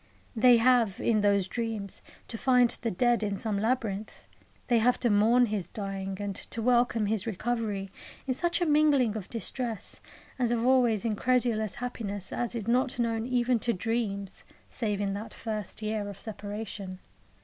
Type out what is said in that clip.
They have, in those dreams, to find the dead in some labyrinth; they have to mourn his dying and to welcome his recovery in such a mingling of distress and of always incredulous happiness as is not known even to dreams save in that first year of separation.